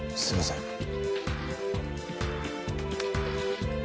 すいません。